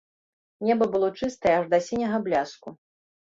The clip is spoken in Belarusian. Неба было чыстае, аж да сіняга бляску.